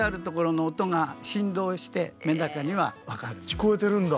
聞こえてるんだ。